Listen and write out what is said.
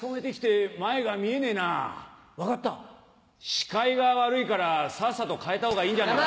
シカイが悪いからさっさと変えた方がいいんじゃないか。